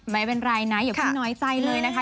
ไม่เป็นไรนะเดี๋ยวพี่น้อยใจเลยนะคะ